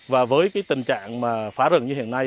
và với cái tình trạng mà phá rừng như hiện nay